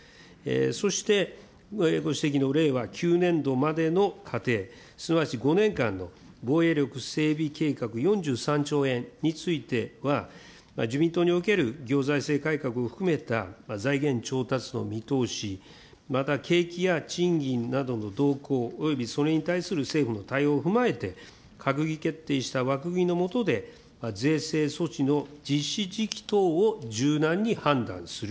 そして、ご指摘の令和９年度までの過程、すなわち５年間の防衛力整備計画４３兆円については、自民党における行財政改革を含めた財源調達の見通し、また景気や賃金などの動向、およびそれに対する政府の対応を踏まえて、閣議決定した枠組みの下で税制措置の実施時期等を柔軟に判断する。